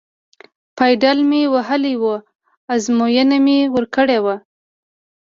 پایډل مې وهلی و، ازموینه مې ورکړې وه.